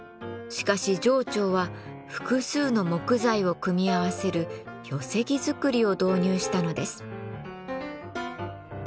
しかし定朝は複数の木材を組み合わせる寄木造りを導入したのです。